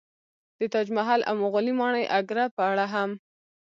د تاج محل او مغولي ماڼۍ اګره په اړه هم